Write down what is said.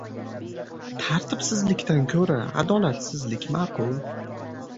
Tartibsizlikdan ko‘ra adolatsizlik ma’qul.